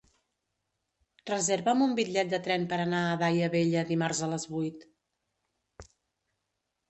Reserva'm un bitllet de tren per anar a Daia Vella dimarts a les vuit.